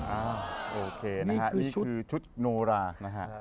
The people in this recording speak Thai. โอเคนะฮะนี่คือชุดโนรานะฮะ